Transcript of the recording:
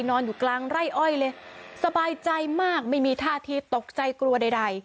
นอนอยู่กลางไร่อ้อยเลยสบายใจมากไม่มีท่าทีตกใจกลัวใด